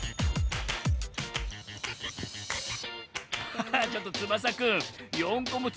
ハハッちょっとつばさくん４こもち